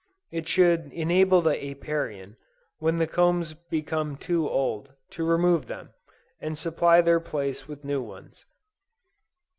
It should enable the Apiarian, when the combs become too old, to remove them, and supply their place with new ones.